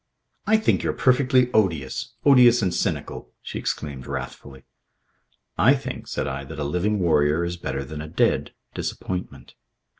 "I think you're perfectly odious. Odious and cynical," she exclaimed wrathfully. "I think," said I, "that a living warrior is better than a dead Disappointment."